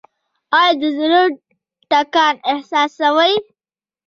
ایا د زړه ټکان احساسوئ؟